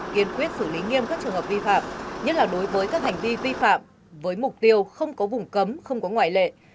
kiên quyết xử lý nghiêm các trường hợp vi phạm nhất là đối với các hành vi vi phạm với mục tiêu không có vùng cấm không có ngoại lệ